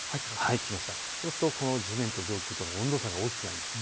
そうすると地面と上空との温度差が大きくなります。